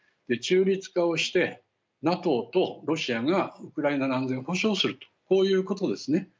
中立化をしてＮＡＴＯとロシアがウクライナの安全を保障するとこういうことですね。